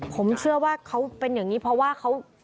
ผมเชื่อว่าเขาเป็นอย่างนี้เพราะว่าเขา